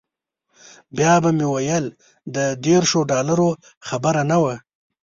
بیا به مې ویل د دیرشو ډالرو خبره نه وه.